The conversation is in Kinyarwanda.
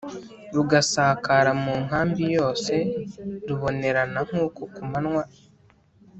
rugasakara mu nkambi yose rubonerana nko ku manywa.